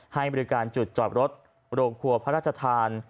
ให้บริการจุดจอดรถโรงครัวพระราชทาน